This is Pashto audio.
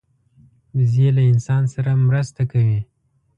وزې له انسان سره مرسته کوي